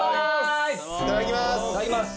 いただきます。